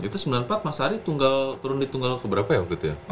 itu sembilan puluh empat mas ari turun di tunggal ke berapa ya